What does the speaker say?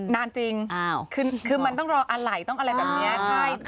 นานจริงคือมันต้องรออะไรต้องอะไรแบบนี้ใช่